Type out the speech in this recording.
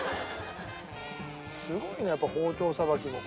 すごいねやっぱ包丁さばきも。